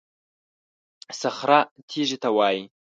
صخره تېږې ته وایي.